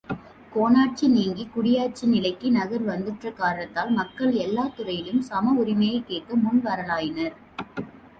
கோனாட்சி நீங்கிக் குடியாட்சி நிலைக்கு நகர் வந்துற்ற காரணத்தால் மக்கள் எல்லாத்துறையிலும், சம உரிமையைக்கேட்க முன் வரலாயினர்.